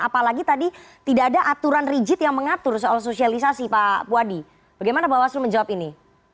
apalagi tadi tidak ada aturan rigid yang mengatur soal sosialisasi pak puadi bagaimana bawaslu menjawab ini